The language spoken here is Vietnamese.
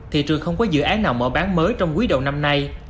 thị trường không có dự án nào mở bán mới trong quý đầu năm nay